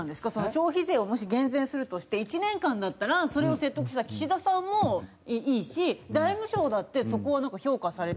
消費税をもし減税するとして１年間だったらそれを説得した岸田さんもいいし財務省だってそこを評価されて。